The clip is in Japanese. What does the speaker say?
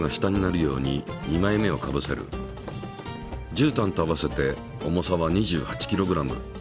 じゅうたんと合わせて重さは２８ｋｇ。